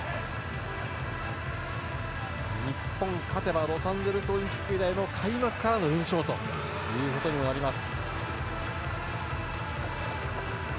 日本、勝てばロサンゼルスオリンピック以来の開幕からの連勝ということになります。